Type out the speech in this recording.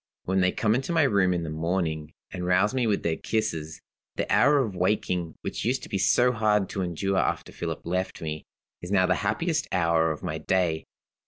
When they come into my room in the morning, and rouse me with their kisses, the hour of waking, which used to be so hard to endure after Philip left me, is now the happiest hour of my day."